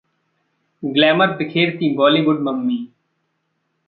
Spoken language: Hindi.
ग्लैमर बिखेरती बॉलीवुड मम्मी